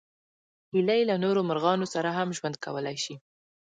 هیلۍ له نورو مرغانو سره هم ژوند کولی شي